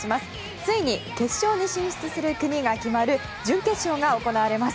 ついに決勝に進出する国が決まる準決勝が行われます。